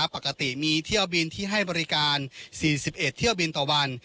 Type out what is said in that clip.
ปกติมีเที่ยวบินที่ให้บริการ๔๑เที่ยวบินต่อวัน